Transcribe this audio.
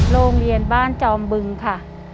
โรงเรียนบ้านจอมบึงค่ะ